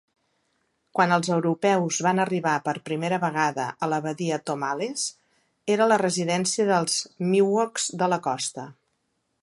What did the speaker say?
Quan els europeus van arribar per primera vegada a la Badia Tomales, era la residència dels Miwoks de la costa.